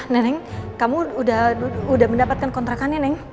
neneng kamu udah mendapatkan kontrakannya neng